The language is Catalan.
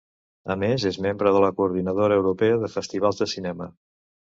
A més és membre de la Coordinadora Europea de Festivals de Cinema.